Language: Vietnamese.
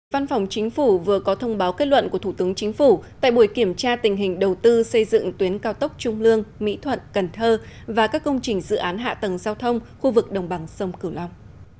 văn phòng chính phủ vừa có thông báo kết luận của thủ tướng chính phủ tại buổi kiểm tra tình hình đầu tư xây dựng tuyến cao tốc trung lương mỹ thuận cần thơ và các công trình dự án hạ tầng giao thông khu vực đồng bằng sông cửu long